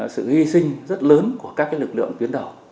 sự hy sinh rất lớn của các lực lượng tuyến đầu